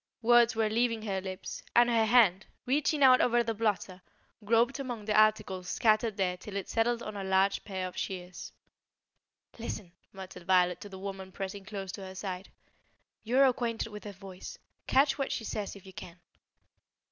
Words were leaving her lips, and her hand, reaching out over the blotter, groped among the articles scattered there till it settled on a large pair of shears. "Listen," muttered Violet to the woman pressing close to her side. "You are acquainted with her voice; catch what she says if you can."